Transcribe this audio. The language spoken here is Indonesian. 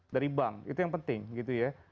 dari bank itu yang penting gitu ya